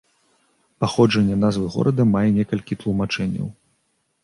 Паходжанне назвы горада мае некалькі тлумачэнняў.